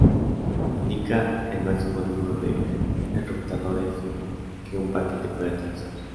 Indica el máximo número de enrutadores que un paquete puede atravesar.